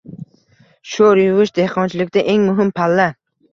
Sho‘r yuvish dehqonchilikda eng muhim palla